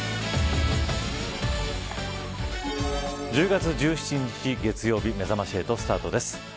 １０月１７日月曜日めざまし８スタートです。